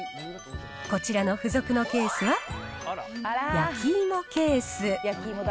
こちらの付属のケースは、焼き芋ケース。